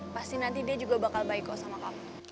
pasti nanti dia juga bakal baik kok sama kamu